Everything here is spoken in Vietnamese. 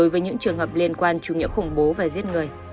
về trường hợp liên quan chủ nghĩa khủng bố và giết người